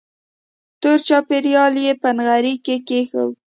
تور چایبر یې په نغري کې کېښود.